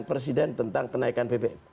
presiden tentang kenaikan bbm